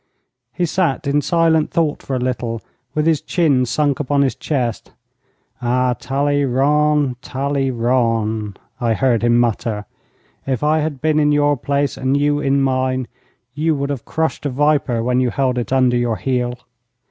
He sat in silent thought for a little, with his chin sunk upon his chest. 'Ah, Talleyrand, Talleyrand,' I heard him mutter, 'if I had been in your place and you in mine, you would have crushed a viper when you held it under your heel.